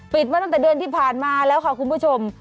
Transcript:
มาตั้งแต่เดือนที่ผ่านมาแล้วค่ะคุณผู้ชม